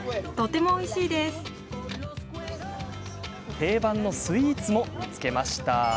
定番のスイーツも見つけました。